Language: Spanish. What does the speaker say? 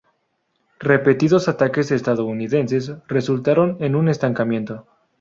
Repetidos ataques estadounidenses resultaron en un estancamiento.